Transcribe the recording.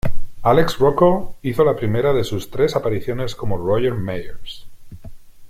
Alex Rocco hizo la primera de sus tres apariciones como Roger Meyers.